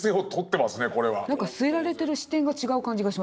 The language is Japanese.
何か据えられてる視点が違う感じがしますね。